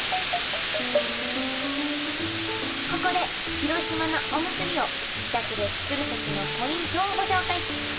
ここで広島菜おむすびを自宅で作る時のポイントをご紹介。